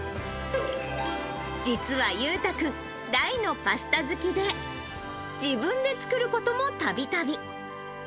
実は裕太君、大のパスタ好きで、自分で作ることもたびたび。